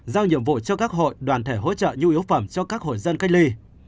giao nhiệm vụ cho các hội đoàn thể hỗ trợ nhu yếu phẩm cho các hội dân cách ly